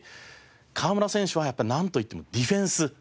河村選手はやっぱなんといってもディフェンス。